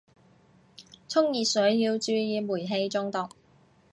沖熱水要注意煤氣中毒